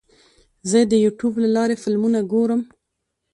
زه د یوټیوب له لارې فلمونه ګورم.